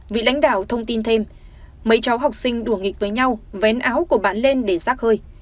vị lãnh đạo thông tin thêm mấy cháu học sinh đùa nghịch với nhau vén áo của bạn lên để rác hơi